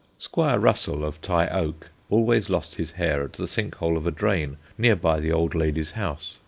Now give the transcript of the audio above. Squire Russell, of Tye Oak, always lost his hare at the sink hole of a drain near by the old lady's house.